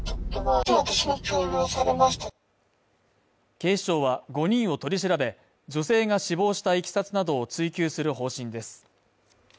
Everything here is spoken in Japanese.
警視庁は５人を取り調べ、女性が死亡したいきさつなどを追及する方針です。